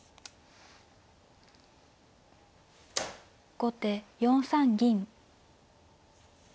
後手４三銀。